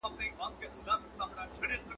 که په کور کي امير دئ، په بهر کي فقير دئ.